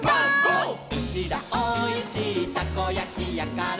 「うちらおいしいたこやきやから」